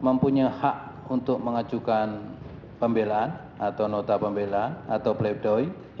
mempunyai hak untuk mengajukan pembelaan atau nota pembela atau pleidoy